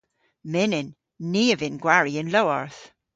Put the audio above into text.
Mynnyn. Ni a vynn gwari y'n lowarth.